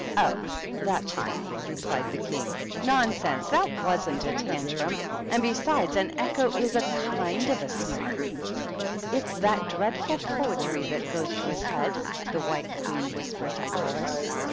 "Oh, that time!" replied the King. "Non sense ! that wasn't a tantrum ; and, besides, an echo is a hind of a Snark." "It's that dreadful poetry that goes to his head," the White Queen whispered to Alice.